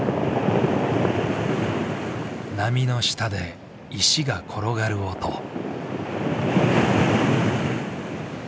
波の下で石が転がる音。